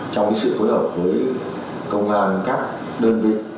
trong sự phối hợp với công an các đơn vị